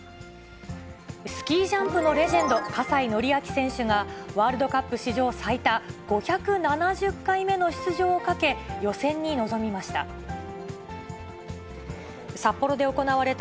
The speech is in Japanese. スキージャンプのレジェンド、葛西紀明選手が、ワールドカップ史上最多、５７０回目の出場をかけ、予選に臨みました。